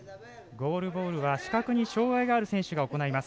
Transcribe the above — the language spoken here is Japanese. ゴールボールは視覚に障がいのある選手が行います。